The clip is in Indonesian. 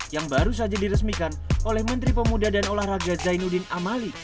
yang baru saja diresmikan oleh menteri pemuda dan olahraga zainuddin amali